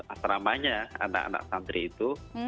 asramanya anak anak santri itu